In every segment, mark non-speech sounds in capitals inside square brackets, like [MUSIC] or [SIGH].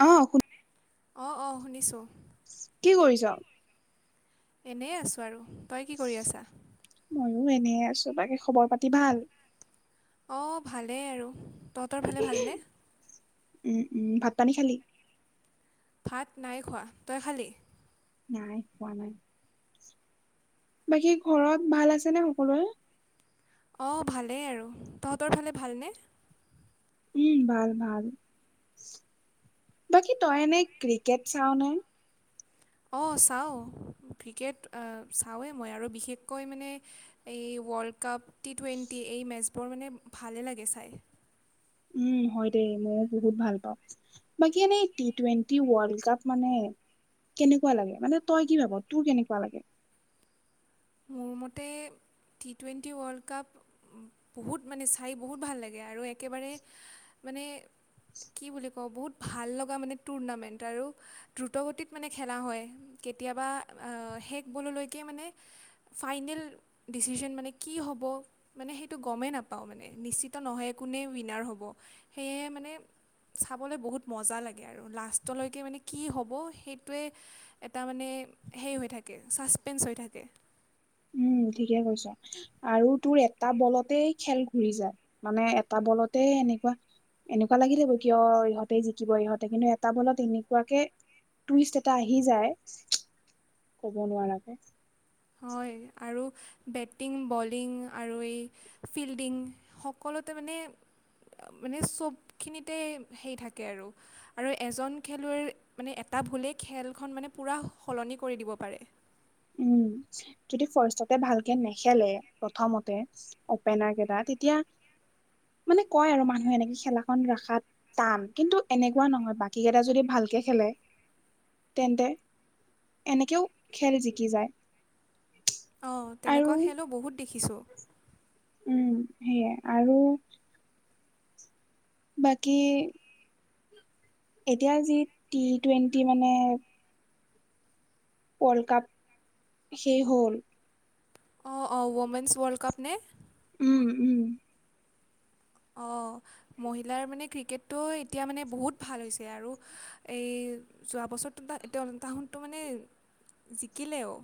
অ, শুন অ, অ, শুনিছো। কি কৰিছ? এনেই আছোঁ আৰু তই কি কৰি আছা। ময়ো এনে চবাকে খবৰ পাতি ভাল। অ, ভালেই আৰু তহঁতৰ ভালে ভালনে। উম, উম, ভাত পানী খালি। ভাত নাই খোৱা তই খালি। নাই পোৱা নাই। বাকী ঘৰত ভাল আছেনে সকলোৱে। অ, ভালেই আৰু তহঁতৰ ফালে ভালনে। উম, ভাল ভাল। বাকী তই এনেই ক্ৰিকেট চাও ন। অ, চাওঁ ক্ৰিকেট চাওঁৱেই মই আৰু বিশেষকৈ মানে এই। ৱৰ্ল্ড কাপ টি টুৱেণ্টি এই মেচবোৰ মানে ভালে লাগে চাই। উম, হয় দেই মইো বহুত ভাল পাওঁ। বাকী, এনেই টি টুৱেণ্টি ৱৰ্লড কাপ মানে। কেনেকুৱা লাগে মানে তই কি ভাব তোৰ কেনেকুৱা লাগে। মোৰ মতে। টি টুৱেণ্টি ৱৰ্ল্ড কাপ বহুত মানে চাই বহুত ভাল লাগে আৰু একেবাৰে। মানে। কি বুলি কওঁ বহুত ভাল লগা মানে টুৰ্ণামেন্ট আৰু দ্ৰুত গতিত মানে খেলা হয়। কেতিয়াবা শেষ বললৈকে মানে। ফাইনেল ডিচিশন মানে কি হ'ব মানে সেইটো গমেই নাপাওঁ মানে নিশ্চিত নহয় একো। কোনে উইনাৰ হ'ব সেয়েহে মানে। চাবলৈ বহুত মজা লাগে আৰু লাষ্টলৈকে মানে কি হ'ব সেইটোৱে এটা মানে। সে, হৈ থাকে ছাছপেঞ্চ হৈ থাকে। উম, ঠিকে কৈছ আৰু তোৰ এটা বলতেই খেল ঘূৰি যায় মানে এটা বলতে। এনেকুৱা। এনেকুৱা লাগিলিব কিয় ইহঁতে জিকিব ইহঁতে কিন্তু এটা বলত এনেকুৱাকে। টুইষ্ট এটা আহি যায় কব নোৱাৰাকে। হয় আৰু বেটিং বলিং আৰু এই ফিল্ডিং সকলো। [UNINTELLIGIBLE] মানে মানে চবখিনিতে সেই থাকে আৰু, আৰু এজন খেলুৱৈৰ মানে তটা ভুলেই খেলখন মানে পুৰা সলনি কৰি দিব পাৰে। উম যদি ফাৰ্ষতে ভালকে নেখেলে প্ৰথমতে অপেনাৰ কেইটা তেতিয়া মানে কয় আৰু মানুহে এনেকে খেলাখনন ৰখাত টান কিন্তু এনেকুৱা নহয় বাকী কেইটা যদি ভাল ভালকে খেলে তেন্তে এনেকেও খেল জিকি যায়। অ, আৰু তেনেকুৱা খেলো বহুত দেখিছো। উম, সেইয়াই আৰু। বাকী? এতিয়া যি টি টুৱেণ্টি মানে। ৱৰ্ল্ড কাপ সেই হ'ল। অ', অ', অমেণ ৱৰ্ল্ডকাপ নে। উম উম অ, মহিলাৰ মানে ক্ৰিকেটটো এতিয়া মানে বহুত ভাল হৈছে আৰু এই যোৱা বছৰ এতিয়া অল তাহুডটো মানে জিকিলে অ'।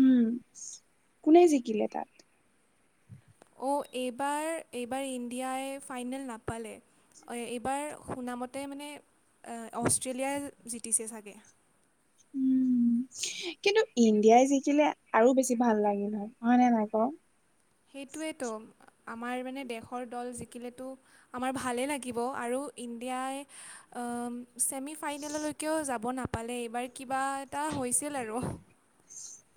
উম, কোনে জিকিলে তাত। অ, এইবাৰ, এইবাৰ ইণ্ডিয়াই ফাইনেল নাপালে। এইবাৰ শুনামতে মানে অষ্ট্ৰেলিয়া জতিছে চাগে। উম। কিন্তু ইণ্ডিয়াই জিকিলে আৰু বেছি ভাল লাগিল নহয় হয়নে নাই ক। হেইতোৱেটো। আমাৰ মানে দেশৰ দল জিকিলেতো আমাৰ ভালেই লাগিব আৰু ইণ্ডিয়াই ছেমি ফাইনেললৈকেও যাব নাপালে এইবাৰ ক বা এটা হৈছিল আৰু।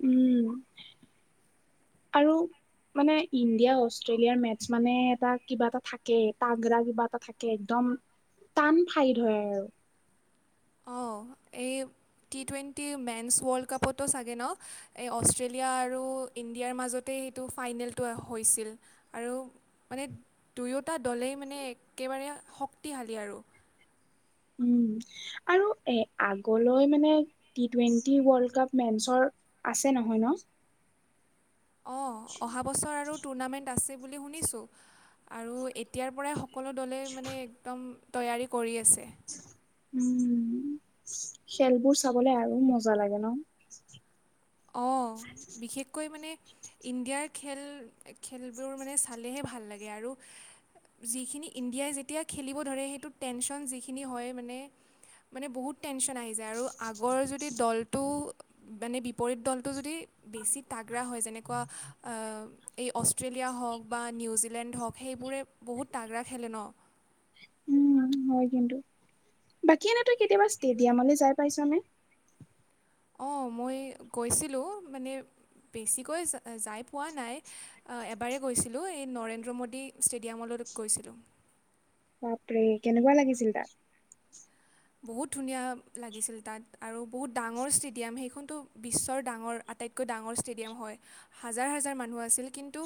উম [INAUDIBLE] আৰু মানে ইণ্ডিয়া অষ্ট্ৰেলিয়াৰ মেটচ মানে এটা কিবা এটা থাকে পাগৰা কিবা এটা থাকে একদম। টান ফাই ধৰে আৰু। অ, এই টি টুৱেণ্টি মেন্ছ ৱৰ্ল্ড কাপতো চাগে ন এই অষ্ট্ৰেলিয়া আৰু ইণ্ডিয়াৰ মাজতে সটো ফাইনেল হৈ আৰু মানে। দুয়োটা দলেই মানে একেবাৰে শক্তিশালী আৰু। উম, আৰু এ, আগলৈ মানে টি টুৱেন্টি ৱৰ্লড কাপ মেন্চৰ আছে নহয় ন। [INAUDIBLE] অ, অহা, বছৰ আৰু টুৰ্ণামেণ্ট আছে, বুলি শুনিছো আৰু এতিয়াৰ পৰাই সকলো দলে মানে একদম তৈয়াৰী কৰি আছে। উম। খেলবোৰ চাবলে আৰু মজা লাগে ন। অ, বিশেষকৈ মানে ইণ্ডিয়াৰ খেল, খেলবোৰ মানে চালেহে ভাল লাগে আৰু। যিখিনি ইণ্ডিয়াই যেতিয়া খেলিব ধৰে সেইটো টেনচন যিখিনি হয় মানে মানে বহুত টেনচন আহি যায়, আৰু আগৰ যদি দলটো পৰিপৰত দলটো যদি বেছি তাগৰা হয়। যেনেকুৱা এই অষ্ট্ৰেলিয়া হওক বা নিউজিলেণ্ড হওক সেইবোৰে বহুত তাগৰা খেলে ন। উম হয়, কিন্তু বাকী এনে তো, কেতিয়াবা ষ্টেডিয়ামলৈ যাই পাইছ নে। অ, মই গৈছিলো মানে। বেছিকৈ যাই পোৱা নাই। এবাৰ গৈছিলোঁ এই নৰেন্দ্ৰ মোডী ষ্টেডিয়ামলৈ। লোগ কৈছিলোঁ। বাপৰে কেনেকুৱা লাগিছিল তাত? বহুত ধুনীয়া লাগিছিল তাত আৰু বহুত ডাঙৰ ষ্টেডিয়াম সেইখনতো বিশ্বৰ ডাঙৰ আটাইতকৈ ডাঙৰ ষ্টেডিয়াম হয়। হাজাৰ হাজাৰ মানুহ আছিল কিন্তু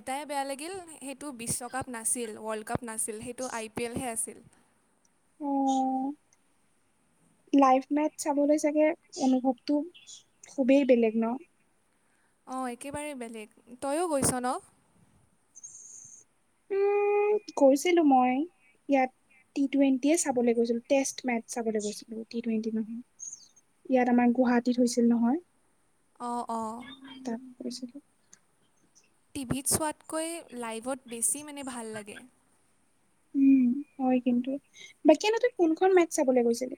এটাই বেয়া লাগিল সেইটো বি বিশ্বকাপ নাছিল ৱৰ্ল্ড কাপ নাছিল সেইটো আই পি এলহে আছিল। অ লাইভ মেথচ চাবলৈ চাগে অনুভৱটো খুবেই বেলেগ ন। অ', একেবাৰে বেলেগ, তইয়ো গৈছ ন? [INAUDIBLE] উম গৈছিলো মই ইয়াত টি টুৱেণ্টিয়ে চাবলৈ গৈছিল টেষ্ট মেটছ চাবলৈ গৈছিলো টি টুৱেণ্টি নামত। ইয়াত আমাৰ গুৱাহাটীত হৈছিল নহয়। অ', অ'। তাত গৈছিলো। টিভিত চোৱাতকৈ লাইভত বেছি মানে ভাল লাগে। উম, হয় কিন্তু। বাকী এনে তই কোনখন মেথচ চাবলৈ গৈছিলি?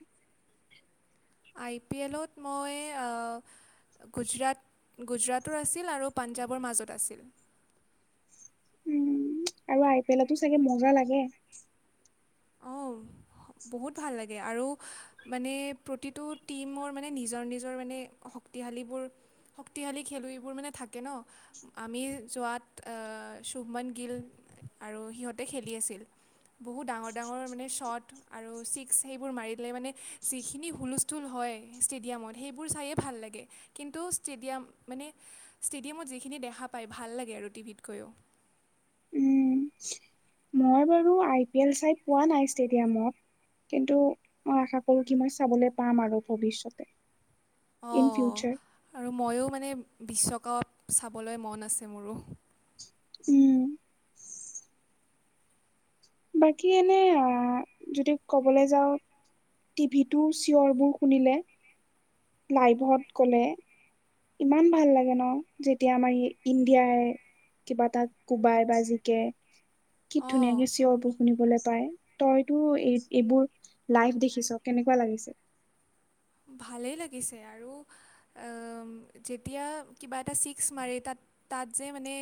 আই পি এলত মই আ গুজৰাট গুজৰাটৰ আছিল আৰু পাঞ্জাৱৰ মাজত আছিল। উম, আৰু আই পি এলতো চাগে মজা লাগে। অঁ বহুত ভাল লাগে আৰু মানে প্ৰতিটো টীমৰ মানে নিজৰ নিজৰ মানে শক্তিশালীবোৰ শক্তিশালী খেলুৱৈবোৰ মানে থাকে ন। আমি যোৱাত শুভন গিল আৰু সিহঁতে খেলি আছিল বহুত ডাঙৰ ডাঙৰ মানে চ'ট আৰু চিস্ক সেইবোৰ মাৰিলে মানে যিখিনি হুলস্থুল হয় ষ্টেডিয়াম ত সেইবোৰ চায়ে ভাল লাগে কিন্তু ষ্টেডিয়াম মানে ষ্টেডিয়ামত যিখিনি দেখা পায় ভাল লাগে আৰু টিভিত কৈও। উম, মই বাৰু আই পি এল চাই পোৱা নাই ষ্টেডিয়ামত। কিন্তু মই আশা কৰো কি মই চাবলৈ পাম আৰু ভৱিষ্যতে। ইন অ', ফিউচাৰ আৰু ময়ো মানে বিশ্বকাপ চাবলৈ মন আছে মোৰো। উম। বাকী এনে যদি কবলৈ যাওঁ টিভিটো চিয়ৰবোৰ শুনিলে লাইভত গ'লে ইমান ভাল লাগে ন যেতিয়া আমাৰ ইণ্ডিয়াই কিবা এটা কোবাই বা জিকে কি অঁ ধুনীয়াকে চিঞৰবোৰ শুনিবলৈ পায়। তইতো এই এইবোৰ লাইভ দেখিছ কেনেকুৱা লাগিছে? ভালেই লাগিছে আৰু যেতিয়া কিবা এটা ছিক্স মাৰে তাত তাত যে মানে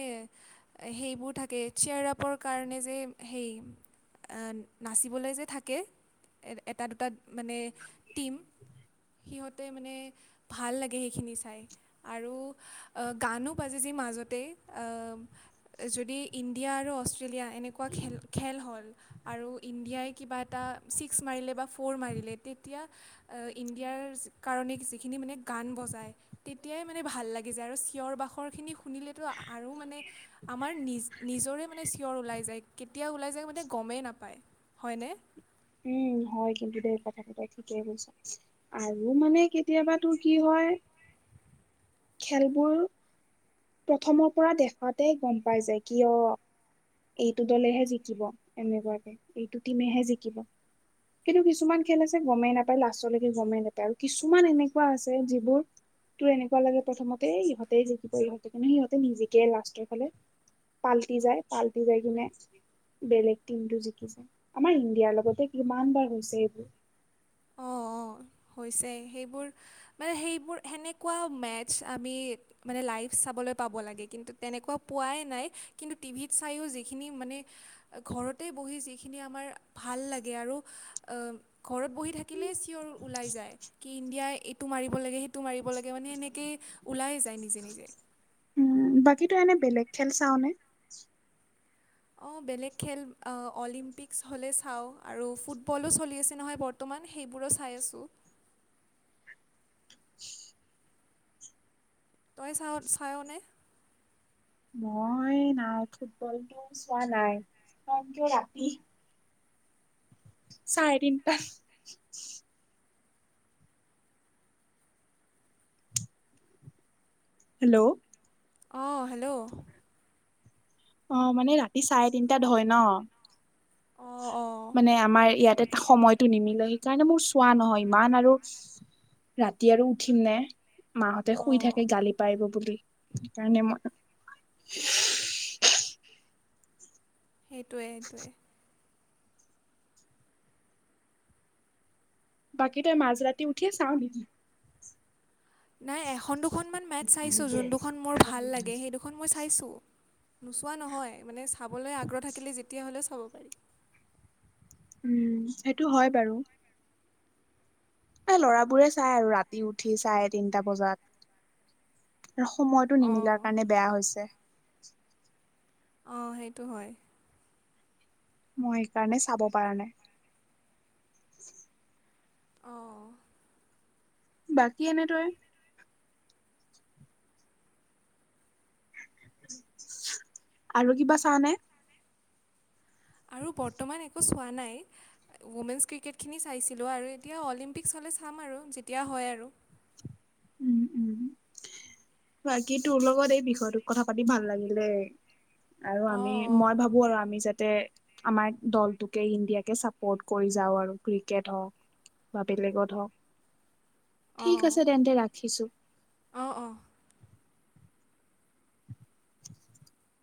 সেইবোৰ থাকে চেয়াৰ আপৰ কাৰণে যে সেই নাচিবলৈ যে থাকে এটা দুটা মানে টীম। সিহঁতে মানে ভাল লাগে সেইখিনি চাই আৰু গানো বাজে যি ম মাজতে। যদি ইণ্ডিয়া আৰু অষ্ট্ৰেলিয়া এনেকুৱা খেল খেল হ'ল। আৰু ইণ্ডিয়াই কিবা এটা ছিক্স মাৰিলে বা ফ'ৰ মাৰিলে। তেতিয়া দিয়াৰ কাৰণে যিখিনি মানে গান বজায়। তেতিয়াই মানে ভাল লাগি যায় আৰু চিঞৰ বাখৰখিনি শুনিলেতো আৰু মানে আমাৰ নিজৰে চিঞৰ ওলাই যায়। কেতিয়া ওলাই যায় মানে গমেই নাপায় হয়নে? উম, হয় কিন্তু দেই কথা তাই ঠিকেই কৈছ আৰু মানে কেতিয়াবা তোৰ কি হয় [INAUDIBLE] খেলবোৰ প্ৰথমৰ পৰা দেখাতে গম পাই যায় কিয় এইটো দলেহে জিকিব এনেকুৱাকে এইটো টিমেহে জিকিব। কিন্তু কিছুমান খেল আছে গমেই নাপায় লাষ্টলৈকে গমেই নাপায় আৰু কিছুমান এনেকুৱা আছে যিবোৰ তোৰ এনেকুৱা লাগে প্ৰথমতে ইহঁতে জিকিব ইহঁতে কিন্তু সিহঁতে নিজিকে লাষ্টৰ ফালে। পাল্টি যায় পাল্টি যায় কিনে বেলেগ টিমটো জিকিছে। আমাৰ ইণ্ডিয়াৰ লগতে কিমান বাৰ হৈছে এইবোৰ। অ', অ'। হৈছে হেইবোৰ মানে হেইবোৰ হেনেকুৱা মেটছ আমি মানে লাইফছ চাবলৈ পাব লাগে কিন্তু তেনেকুৱা পোৱাই নাই কিন্তু টিভিত চায়ো যিখিনি মানে ঘৰ ঘৰতেই বহি যিখিনি আমাৰ ভাল লাগে আৰু ঘৰত বহি থাকিলেই চিঞৰ ওলাই যায় কি ইণ্ডিয়াই এইটো মাৰিব লাগে, সেইটো মাৰিব লাগে মানে এনেকৈ ওলাই যায় নিজে নিজে। উম বাকী তই এনে বেলেগ খেল চাওনে? অ' বেলেগ খেল অলিম্পিক হ'লে চাওঁ আৰু ফুটবলো চলি আছে নহয় বৰ্ত মান সেইবোৰো চাই আছোঁ। তই চাওঁ-চায়নে? মই নাই ফুটবলটো চোৱা নাই কাৰণ ৰাতি চাৰেতিনটাত। হেল্ল'। অ' হেল্ল'। অ' মানে ৰাতি চাৰেতিনটাত হয় ন'? অঁ অঁ মানে আমাৰ ইয়াতে সময়টো নিমিলে সেইকাৰণে মোৰ চোৱা নহয় ইমান আৰু ৰাতি আৰু উঠিম নে। মাহঁতে শুই অঁ থাকে গালি পাৰিব বুলি। সেইকাৰণে মই সেইটোৱে সেইটোৱে। বাকী তই মাজ ৰাতি উঠিয়ে চাও নেকি? নাই, এখন দুখনমান মেটচ চাইছোঁ। যোন দুখন মোৰ ভাল লাগে, সেই দুখন মই চাইছোঁ। নোচোৱা নহয় মানে চাবলৈ আগ্ৰহ থাকিলে যেতিয়া হ'লেও চাব পাৰি উম, সেইটো হয় বাৰু। এ, ল'ৰাবোৰে চায় আৰু ৰাতি উঠি চাৰেতিনটা বজাত। আৰু সময়টো অঁ নিমিলাৰ কাৰণে বেয়া হৈছে। অ' হেইটো হয়। মই এইকাৰণে চাব পৰা নাই। অ'। বাকী এনে তই আৰু কিবা চাওনে? আৰু বৰ্তমান একো চোৱা নাই। ৱ'মেনছ ক্ৰিকেটখিনি চাইছিলোঁ আৰু এতিয়া অলিম্পিকছত হ'লে চাম আৰু যেতিয়া হয় আৰু। উম, উম। বাকী তোৰ লগত এই বিষয়টোৰ কথা পাতি ভাল লাগিলে দে। আৰু অঁ আমি, অঁ মই ভাবোঁ আৰু আমি যাত তে আমাৰ দলটোকে ইণ্ডিয়াকে চাপ'ৰ্ট কৰি যাওঁ আৰু ক্ৰিকেট হওঁক বা বেলেগত হওঁক। ঠিক আছে তেন্তে ৰাখিছোঁ। অ', অ'। [INAUDIBLE]